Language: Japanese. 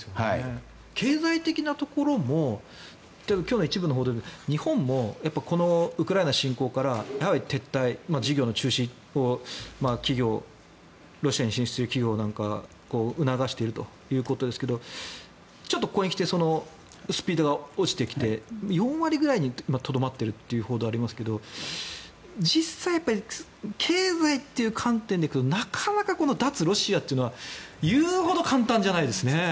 経済的なところも今日も一部の報道で日本もこのウクライナ侵攻から撤退事業の中止をロシアに進出している企業なんかには促しているということですがちょっとここに来てそのスピードが落ちてきて４割ぐらいにとどまっているという報道がありますが実際、経済という観点でいうとなかなかこの脱ロシアというのは言うほど簡単じゃないですね。